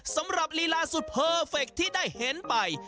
สำหรับลีลาสุดเพอร์เฟคที่ได้เห็นไป